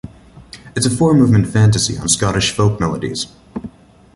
It is a four-movement fantasy on Scottish folk melodies.